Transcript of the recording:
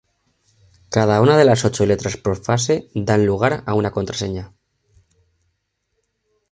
Cada una de las ocho letras por fase dan lugar a una contraseña.